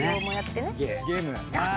ゲーム。